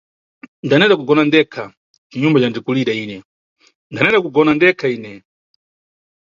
Ndaneta kugona ndekha cinyumba candikulira ine, ndaneta kugona ndekha ine.